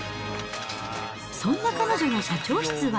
そんな彼女の社長室は。